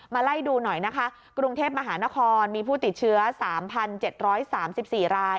มาไล่ดูหน่อยนะคะกรุงเทพมหานครมีผู้ติดเชื้อสามพันเจ็ดร้อยสามสิบสี่ราย